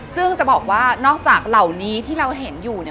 ซึ่งจะบอกว่านอกจากเหล่านี้ที่เราเห็นอยู่เนี่ย